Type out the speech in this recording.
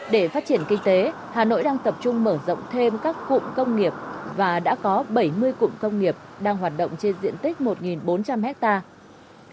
để phát triển kinh tế hà nội đang tập trung mở rộng thêm các cụm công nghiệp và đã có bảy mươi cụm công nghiệp đang hoạt động trên diện tích một bốn trăm linh hectare